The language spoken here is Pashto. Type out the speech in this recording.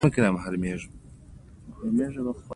د رابندر ناته ټاګور ځینې اثار په پښتو ژباړل شوي.